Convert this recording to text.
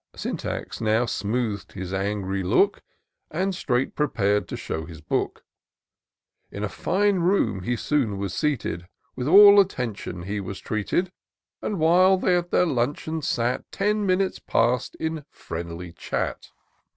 Syntax now smooth'd his angry look, And straight prepar'd to shew his Book. IN SEARCH OF THE PICTURESQUE. 229 In a fine room he soon was seated ; With all attention he was treated: And while they at their luncheon sat, Ten minutes pass'd in friendly chat.